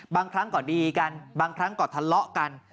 บางครั้งก็ดีกันบางครั้งก็ทะเลาะกัน